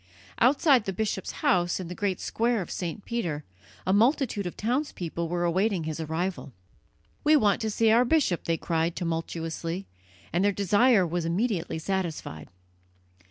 Outside the bishop's house, in the great square of St. Peter, a multitude of townspeople were awaiting his arrival. "We want to see our bishop," they cried tumultuously, and their desire was immediately satisfied.